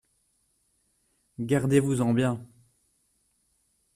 Gardez-vous-en bien !…